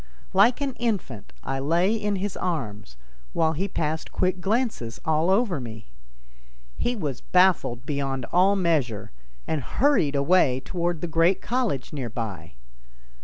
Like an infant I lay in his arms, while he passed quick glances all over me. He was baffled beyond all measure, and hurried away toward the great college near by.